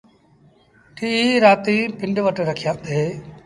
ٽيٚه رآتيٚن پنڊ وٽ رکيآݩدي۔